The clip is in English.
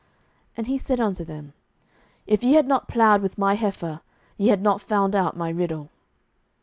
and he said unto them, If ye had not plowed with my heifer, ye had not found out my riddle.